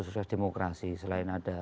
sukses demokrasi selain ada